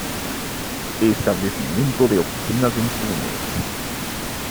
Establecimiento de oficinas en Túnez.